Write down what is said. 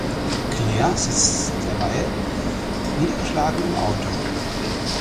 Claire sitzt derweil niedergeschlagen im Auto.